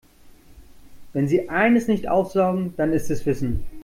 Wenn sie eines nicht aufsaugen, dann ist es Wissen.